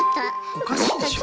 おかしいでしょ。